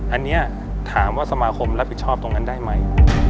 อันนี้ถามว่าสมาคมรับผิดชอบตรงนั้นได้ไหม